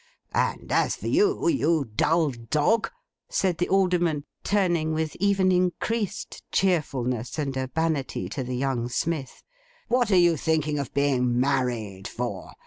'And as for you, you dull dog,' said the Alderman, turning with even increased cheerfulness and urbanity to the young smith, 'what are you thinking of being married for?